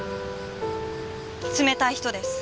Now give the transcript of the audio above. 冷たい人です。